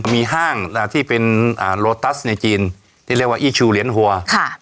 มีห้างที่เป็นโลตัสในจีนที่เรียกว่าอี้ชูเหรียญหัว